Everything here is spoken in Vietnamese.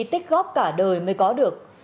tích góp cả đời mới có được